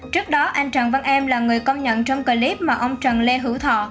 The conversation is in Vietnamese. trước đó anh trần văn em là người con nhận trong clip mà ông trần lê hữu thọ